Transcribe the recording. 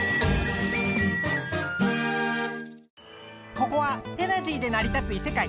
ここはエナジーでなり立ついせかい。